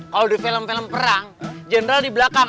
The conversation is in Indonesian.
kalau di film film perang general di belakang